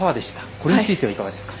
これについてはいかがですか？